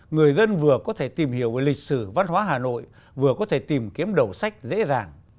người dân vừa có thể tìm hiểu về lịch sử văn hóa hà nội vừa có thể tìm kiếm đầu sách dễ dàng